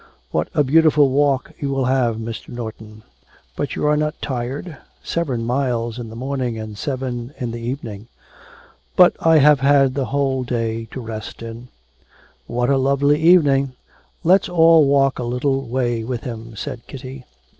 'What a beautiful walk you will have, Mr. Norton! But are you not tired? Seven miles in the morning and seven in the evening!' 'But I have had the whole day to rest in.' 'What a lovely evening! Let's all walk a little way with him,' said Kitty.